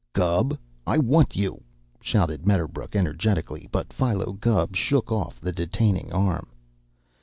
"Gubb! I want you!" shouted Mr. Medderbrook energetically, but Philo Gubb shook off the detaining arm.